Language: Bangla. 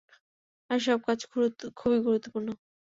আর সেসব কাজ খুবই গুরুত্বপূর্ণ।